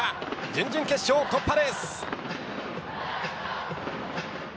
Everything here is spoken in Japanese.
準々決勝突破です。